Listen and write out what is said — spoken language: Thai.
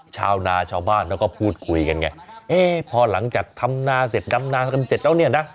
ชาวนาชาวบ้านพูดคุยกันไงพอหลังจากทำนาเสร็จนำนาเสร็จแล้วเนี่ยนะ